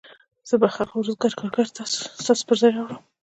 زه به هغه وزګار کارګر ستاسو پر ځای راوړم